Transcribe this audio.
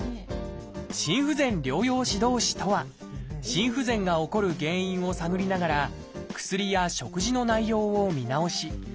「心不全療養指導士」とは心不全が起こる原因を探りながら薬や食事の内容を見直し